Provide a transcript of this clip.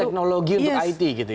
teknologi untuk it gitu ya